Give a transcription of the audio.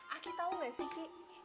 aki tau gak sih ki